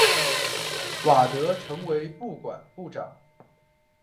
瓦德成为不管部长。